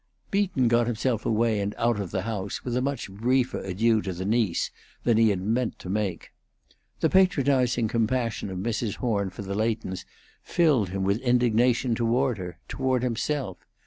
Beaton got himself away and out of the house with a much briefer adieu to the niece than he had meant to make. The patronizing compassion of Mrs. Horn for the Leightons filled him with indignation toward her, toward himself.